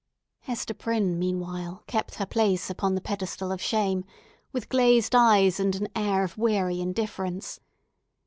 Hester Prynne, meanwhile, kept her place upon the pedestal of shame, with glazed eyes, and an air of weary indifference.